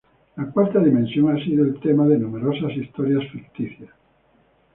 La cuarta dimensión ha sido el tema de numerosas historias ficticias.